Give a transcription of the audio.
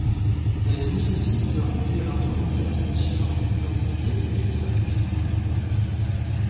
Elle nécessite de remplir un formulaire mentionnant identité et établissements fréquentés.